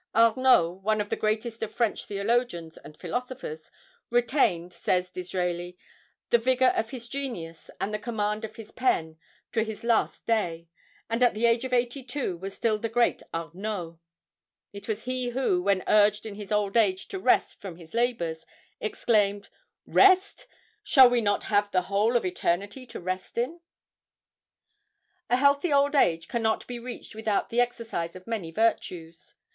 Arnauld, one of the greatest of French theologians and philosophers, retained, says Disraeli, "the vigor of his genius and the command of his pen to his last day, and at the age of eighty two was still the great Arnauld." It was he who, when urged in his old age to rest from his labors, exclaimed, "Rest! Shall we not have the whole of eternity to rest in?" A healthy old age cannot be reached without the exercise of many virtues.